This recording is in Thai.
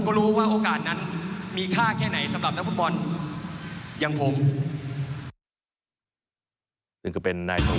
ก็จะทำกากเป็นพอรพฤตของทีมชาติไทยไปลองฟังบางตอนกันครับ